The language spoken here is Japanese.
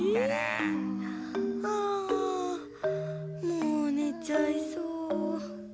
もうねちゃいそう。